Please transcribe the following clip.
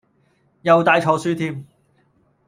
又帶錯書添